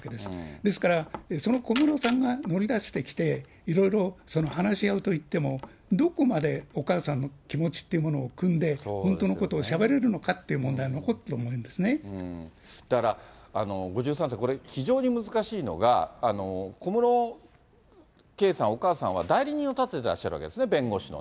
ですから、その小室さんが乗り出してきて、いろいろ話し合うといっても、どこまでお母さんの気持ちっていうものをくんで本当のことをしゃべれるのかという問題、だから、５３世、これ非常に難しいのが、小室圭さん、お母さんは代理人を立ててらっしゃるわけですね、弁護士の。